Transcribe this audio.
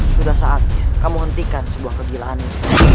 sudah saat kamu hentikan sebuah kegilaannya